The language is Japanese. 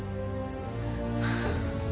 はあ。